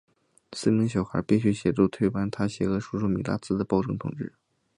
四名小孩必须得协助推翻他邪恶叔叔米拉兹的暴政统治。